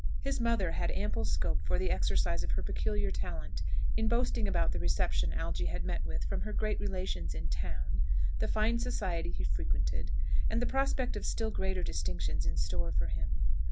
His mother had ample scope for the exercise of her peculiar talent, in boasting about the reception Algy had met with from her great relations in town, the fine society he frequented, and the prospect of still greater distinctions in store for him.